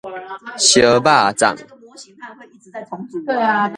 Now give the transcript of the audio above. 燒肉粽